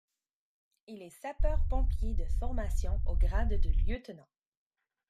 Il est sapeur pompier de formation au grade de lieutenant.